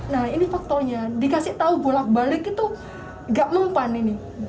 nah ini faktornya dikasih tahu bolak balik itu gak mempan ini